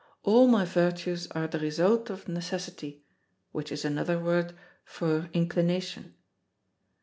All my virtues are the result of necessity, which is another word for inclination."